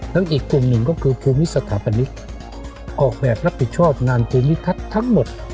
อีกกลุ่มหนึ่งก็คือภูมิสถาปนิกออกแบบรับผิดชอบงานภูมิทัศน์ทั้งหมด